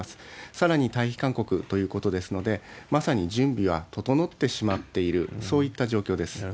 さらに退避勧告ということですので、まさに準備は整ってしまっている、そういった状況です。